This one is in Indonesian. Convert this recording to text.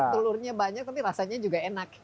telurnya banyak tapi rasanya juga enak